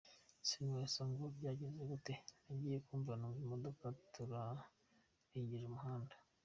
Sinakubeshya ngo byagenze gute , nagiye kumva numva imodoka yaturengeje umuhanda.